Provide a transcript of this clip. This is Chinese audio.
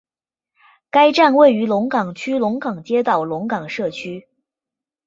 该站位于龙岗区龙岗街道龙岗社区。